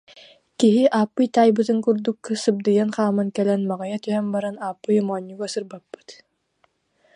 Киһи Ааппый таайбытын курдук, сыбдыйан хааман кэлэн маҕыйа түһэн баран Ааппыйы моонньуга сырбаппыт